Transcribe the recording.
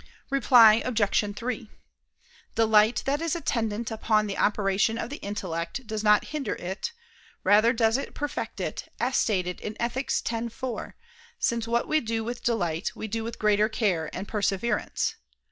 Reply Obj. 3: Delight that is attendant upon the operation of the intellect does not hinder it, rather does it perfect it, as stated in Ethic. x, 4: since what we do with delight, we do with greater care and perseverance.